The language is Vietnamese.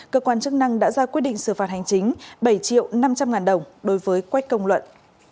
cơ quan chức năng đã ra quyết định xử phạt hành chính bảy triệu năm trăm linh ngàn đồng đối với quách công luận